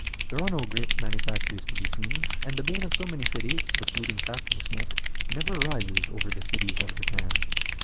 There are no great manufactories to be seen, and the bane of so many cities, the polluting factory smoke, never rises over the cities of Japan.